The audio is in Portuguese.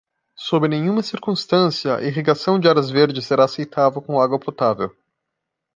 Sob nenhuma circunstância a irrigação de áreas verdes será aceitável com água potável.